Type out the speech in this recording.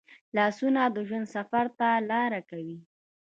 لاسونه د ژوند سفر ته لار کوي